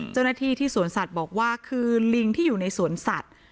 เจ้าหน้าที่ที่สวนสัตว์บอกว่าคือลิงที่อยู่ในสวนสัตว์